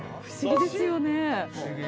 不思議ですよね。